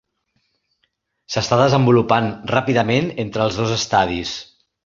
S'està desenvolupant ràpidament entre els dos estadis.